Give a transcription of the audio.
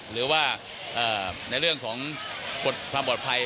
หรือว่าในเรื่องของความปลอดภัย